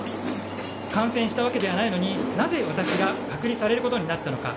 感染したわけではないのになぜ私が隔離されることになったのか。